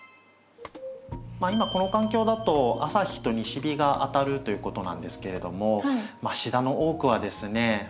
今この環境だと朝日と西日が当たるということなんですけれどもシダの多くはですね